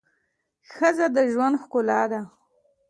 ښځه د ژوند ښکلا ده